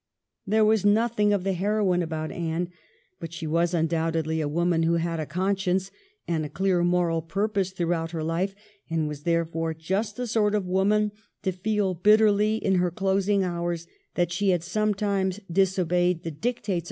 There was nothing of the heroine about Anne, but she was undoubtedly a woman who had a conscience and a clear moral purpose throughout her life, and was therefore just the sort of woman to feel bitterly, in her closing hours, that she had sometimes disobeyed the dictates 1714 ANNE'S M3NTAL STEUGGLES.